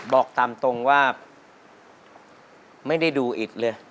บอกตามตรงว่าไม่ได้ดูอิดเลย